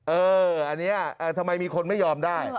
เอออันนี้ทำไมมีคนไม่ยอมได้